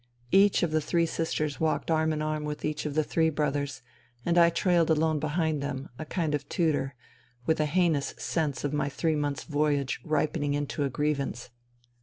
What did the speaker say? Each of the three sisters walked arm in arm with each of the " three brothers," and I trailed alone behind them, a kind of tutor, with a heinous sense of my three months' voyage ripening into a grievance.